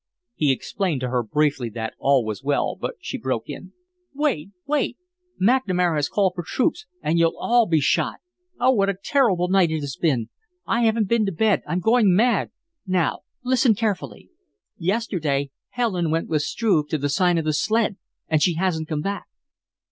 He explained to her briefly that all was well, but she broke in: "Wait, wait! McNamara has called for troops and you'll all be shot. Oh, what a terrible night it has been! I haven't been to bed. I'm going mad. Now, listen, carefully yesterday Helen went with Struve to the Sign of the Sled and she hasn't come back."